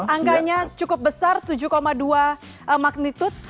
angkanya cukup besar tujuh dua magnitude